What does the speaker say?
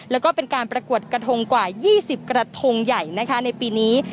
แล้วก็เป็นการประกวดกระทงกว่า๒๐กระทงใหญ่นะคะในปีนี้